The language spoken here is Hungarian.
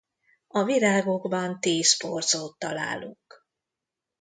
A virágokban tíz porzót találunk.